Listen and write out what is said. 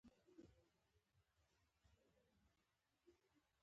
د خیر ښېګڼې او بېوزله وګړو سره مرستې لپاره فعالیت کوي.